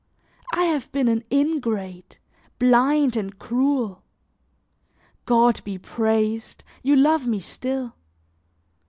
I have been an ingrate, blind and cruel. God be praised! You love me still.